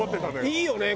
いいよね。